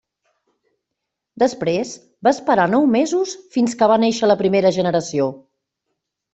Després, va esperar nou mesos fins que va néixer la primera generació.